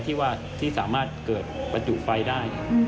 ที่สามารถเกิดประจุไฟได้